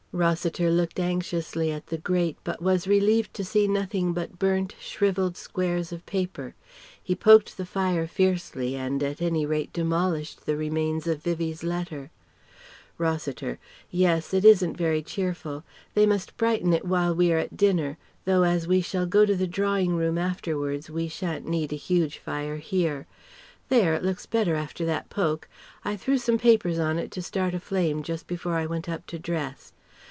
(Rossiter looked anxiously at the grate, but was relieved to see nothing but burnt, shrivelled squares of paper. He poked the fire fiercely and at any rate demolished the remains of Vivie's letter.) Rossiter: "Yes: it isn't very cheerful. They must brighten it while we are at dinner; though as we shall go to the drawing room afterwards we shan't need a huge fire here. There! It looks better after that poke. I threw some papers on it to start a flame just before I went up to dress....